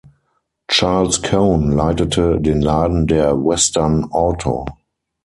Charles Cone leitete den Laden der Western Auto.